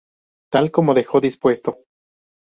Tal como dejó dispuesto.